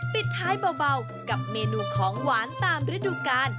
ปิดท้ายเบากับเมนูของหวานตามฤดูกาล